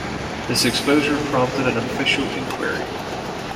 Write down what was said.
This exposure prompted an official enquiry.